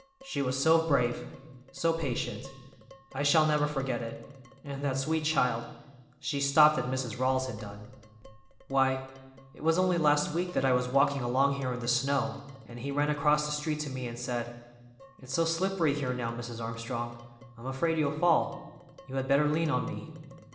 She was so brave, so patient; I shall never forget it, and that sweet child—" she stopped as Mrs. Rawls had done. "Why, it was only last week that I was walking along here in the snow, and he ran across the street to me and said: 'It's so slippery here now, Mrs. Armstrong, I'm afraid you'll fall; you had better lean on me.